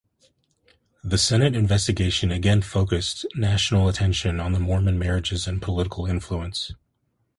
The Senate investigation again focused national attention on Mormon marriages and political influence.